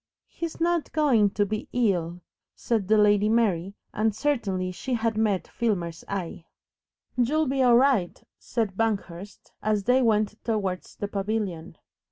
"He's not going to be ill," said the Lady Mary, and certainly she had met Filmer's eye. "YOU'LL be all right," said Banghurst, as they went towards the pavilion.